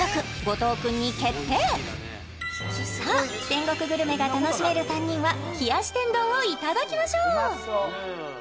後藤くんに決定さあ天国グルメが楽しめる３人は冷やし天丼をいただきましょう！